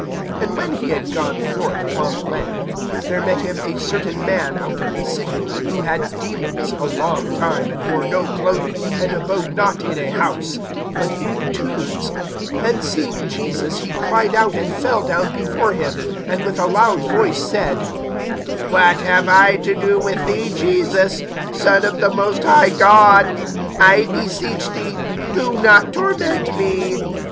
(27)And when he had gone forth upon the land, there met him a certain man out of the city, who had demons a long time, and wore no clothing, and abode not in a house, but in the tombs. (28)And seeing Jesus, he cried out, and fell down before him, and with a loud voice said: What have I to do with thee, Jesus, Son of the most high God? I beseech thee, do not torment me.